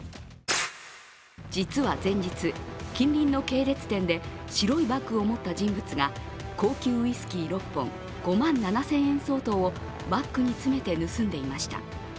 実は前日、近隣の系列店で白いバッグを持った人物が高級ウイスキー６本５万７０００円相当をバッグに詰めて盗んでいました。